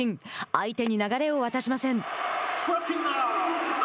相手に流れを渡しません。